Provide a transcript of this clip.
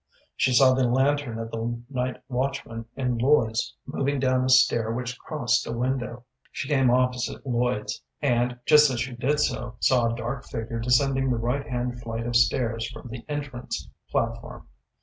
She saw the lantern of the night watchman in Lloyd's moving down a stair which crossed a window. She came opposite Lloyd's, and, just as she did so, saw a dark figure descending the right hand flight of stairs from the entrance platform.